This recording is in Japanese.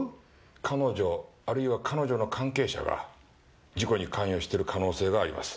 彼女あるいは彼女の関係者が事故に関与してる可能性があります。